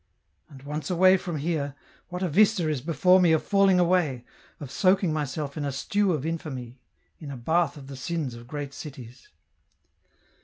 And once away from here, what a vista is before me of falling away, of soaking myself in a stew of infamy in a bath of the sins of great cities."